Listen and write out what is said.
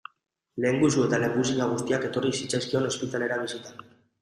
Lehengusu eta lehengusina guztiak etorri zitzaizkion ospitalera bisitan.